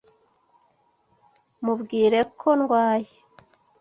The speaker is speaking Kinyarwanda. Mubwire ko ndwaye